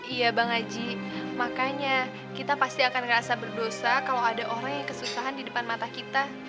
iya bang aji makanya kita pasti akan ngerasa berdosa kalau ada orang yang kesusahan di depan mata kita